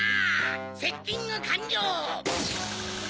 セッティングかんりょう！